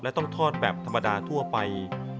และต้องทอดแบบธรรมดาทั่วไป